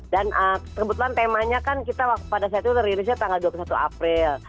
dan kebetulan temanya kan pada saat itu rilisnya tanggal dua puluh satu april